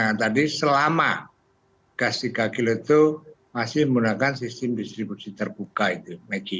nah tadi selama gas tiga kg itu masih menggunakan sistem distribusi terbuka itu maggie